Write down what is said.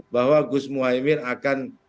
bahwa gus muhyiddin akan